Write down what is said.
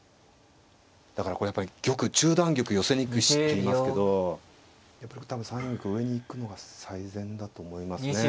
だからこれやっぱり玉「中段玉寄せにくし」っていいますけどやっぱり多分３四玉上に行くのが最善だと思いますね。